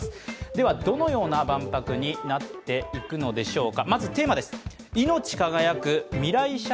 では、どのような万博になっていくのでしょうか。